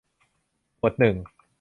หมวดหนึ่ง